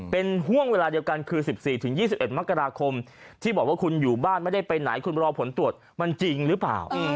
เป็นห่วงเวลาเดียวกันคือ๑๔๒๑มกราคมที่บอกว่าคุณอยู่บ้านไม่ได้ไปไหนคุณรอผลตรวจมันจริงหรือเปล่า